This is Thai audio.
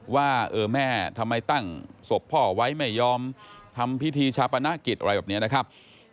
ว่าเออแม่ทำไมตั้งศพพ่อไว้ไม่ยอมทำพิธีชาปนกิจอะไรแบบนี้นะครับ